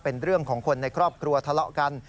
เป็นเรื่องของคนในครอบครัวทะเลาะกัน